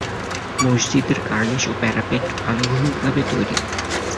মসজিদের কার্নিশ ও প্যারাপেট অনুভূমিকভাবে তৈরি।